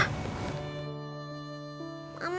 aku nanya kak dan rena